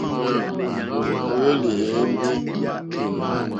Ó hwélì èyémbé.